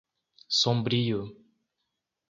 Sombrio